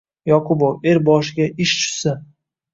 Yoqubov, Er boshiga ish tushsa